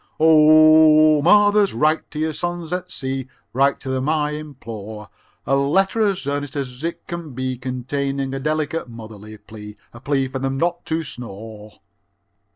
III Oh, mothers, write to your sons at sea; Write to them, I implore, A letter as earnest as it can be, Containing a delicate, motherly plea, A plea for them not to snore.